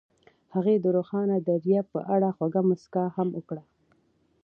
هغې د روښانه دریاب په اړه خوږه موسکا هم وکړه.